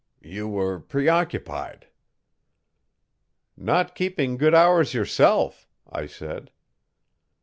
'You were preoccupied.' 'Not keeping good hours yourself,' I said.